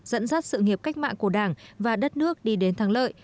dẫn dắt sự nghiệp cách mạng của đảng và đất nước đi đến thắng lợi